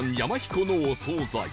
このお総菜